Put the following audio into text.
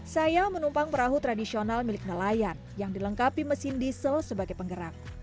saya menumpang perahu tradisional milik nelayan yang dilengkapi mesin diesel sebagai penggerak